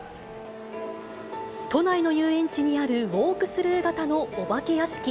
都内の遊園地にあるウォークスルー型のお化け屋敷。